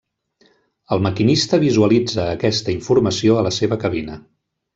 El maquinista visualitza aquesta informació a la seva cabina.